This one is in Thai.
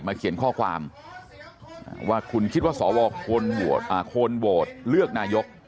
เขียนข้อความว่าคุณคิดว่าสวควรโหวตเลือกนายก